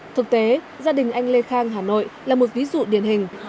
thực tế gia đình anh lê khang hà nội là một ví dụ điển hình